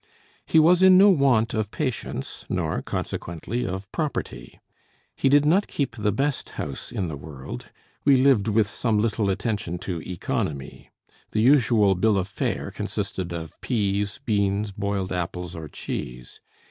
He was in no want of patients, nor consequently of property. He did not keep the best house in the world; we lived with some little attention to economy. The usual bill of fare consisted of peas, beans, boiled apples, or cheese.